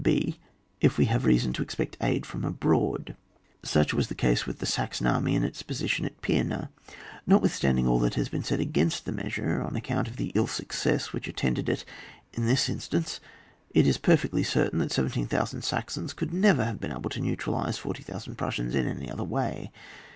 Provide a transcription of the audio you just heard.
h. If we have reason to expect aid from abroad. Such was the case with the Saxon army in its position at Pima. Notwith standing all that has been said against the measure on account of the ill success which attended it in this instance, it is perfectly certain that 17,000 Saxons could never have been able to neutralise 40,000 Prussians in any other way.